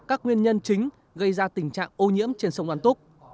các nguyên nhân chính gây ra tình trạng ô nhiễm trên sông đoan túc